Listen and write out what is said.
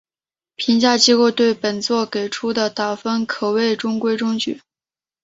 评价机构对本作给出的打分可谓中规中矩。